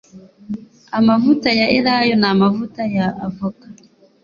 Amavuta ya elayo n'amavuta ya avoka